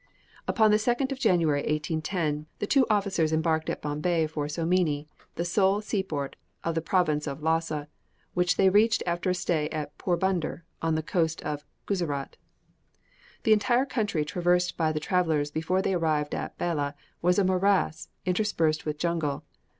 Upon the 2nd of January, 1810, the two officers embarked at Bombay for Someany, the sole sea port of the province of Lhossa, which they reached after a stay at Poorbunder, on the coast of Guzerat. The entire country traversed by the travellers before they arrived at Bela was a morass, interspersed with jungle.